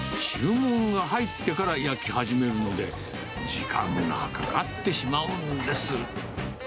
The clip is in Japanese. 注文が入ってから焼き始めるので、時間がかかってしまうんです。